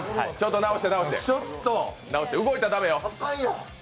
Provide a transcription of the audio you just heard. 直して、直して、動いたら駄目よ。